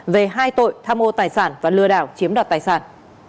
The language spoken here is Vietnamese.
về hai tội tham mô tài sản và lừa đảo chiếm đoạt tài sản